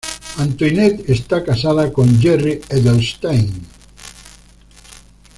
Antoinette está casada con Jerry Edelstein.